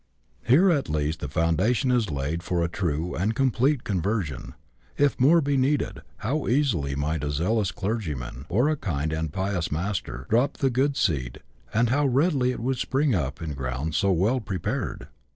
Here at least the foundation is laid for a true and complete conversion. If more be needed, how easily might a zealous clergyman, or a kind and pious master, drop the good seed, 152 BUSH LIFE IN AUSTRALIA. [chap. xiii. and how readily would it spring up in ground so well pre pared